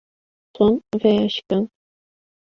Tom vêya şikand.